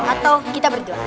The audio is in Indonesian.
atau kita berdua